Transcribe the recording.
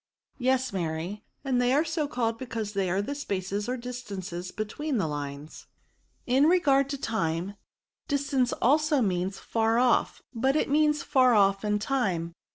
" Yes, Mary ; and they are so called be cause they are the spaces or distances between the lines. " In regard to time, distance also means far off; but it means far off in time.